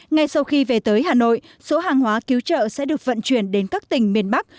ngay sau khi về tới hà nội số hàng hóa cứu trợ sẽ được vận chuyển đến các tỉnh miền bắc